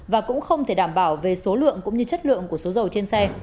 và cũng không thể đảm bảo về số lượng cũng như chất lượng của số dầu trên xe